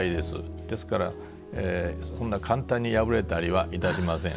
ですからそんな簡単に破れたりはいたしません。